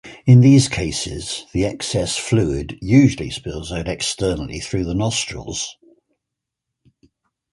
In these cases, the excess fluid usually spills out externally through the nostrils.